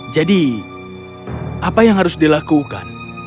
jadi apa yang harus dilakukan